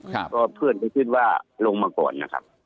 ก็เพื่อนที่คิดว่าลงมาก่อนนะครับ